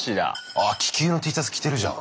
あっ気球のＴシャツ着てるじゃん。